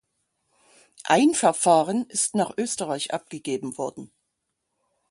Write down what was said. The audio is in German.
Ein Verfahren ist nach Österreich abgegeben worden.